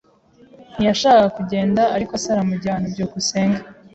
Ntiyashakaga kugenda, ariko se aramujyana. byukusenge